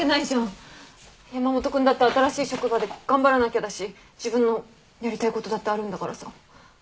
山本君だって新しい職場で頑張らなきゃだし自分のやりたいことだってあるんだからさ。